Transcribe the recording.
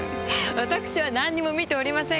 私は何にも見ておりませんわ。